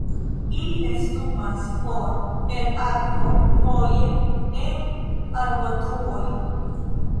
Ili nestumas for el akvo, foje en arbotruoj.